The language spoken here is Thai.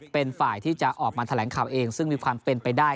เป็นฝ่ายที่จะออกมาแถลงข่าวเองซึ่งมีความเป็นไปได้